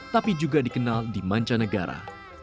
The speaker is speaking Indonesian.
tapi juga dikenal di manca negara